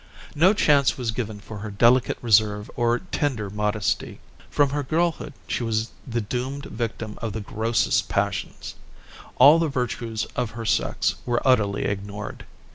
No chance was given her for delicate reserve or tender modesty. From her girlhood she was the doomed victim of the grossest passions. All the virtues of her sex were utterly ignored.